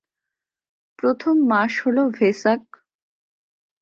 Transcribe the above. প্রথম মাস হল ভেসাক।